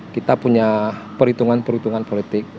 kita punya perhitungan perhitungan politik